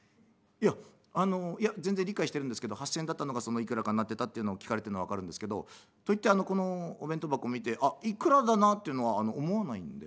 「いやあの全然理解してるんですけど８，０００円だったのがいくらかになってたっていうのを聞かれてんのは分かるんですけどといってこのお弁当箱見て『いくらだな』っていうのは思わないんで」。